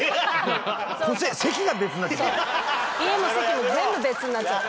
家も籍も全部別になっちゃって。